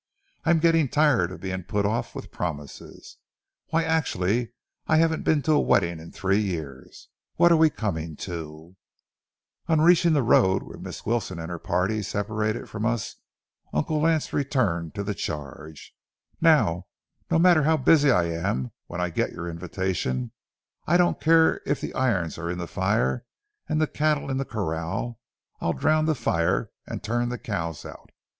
I'm getting tired of being put off with promises. Why, actually, I haven't been to a wedding in three years. What are we coming to?" [Illustration: WE GOT THE AMBULANCE OFF BEFORE SUNRISE] On reaching the road where Miss Wilson and her party separated from us, Uncle Lance returned to the charge: "Now, no matter how busy I am when I get your invitation, I don't care if the irons are in the fire and the cattle in the corral, I'll drown the fire and turn the cows out.